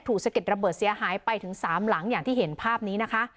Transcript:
ผิดสะเก็ดระเบิดเสียหายไปถึงสามหลังที่เห็นภาพนี้นะคะ